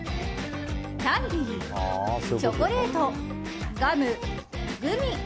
キャンディー、チョコレートガム、グミ。